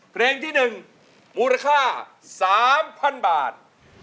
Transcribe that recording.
เพลงที่๑มูลค่า๓๐๐๐บาท